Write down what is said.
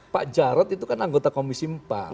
pak jarod itu kan anggota komisi empat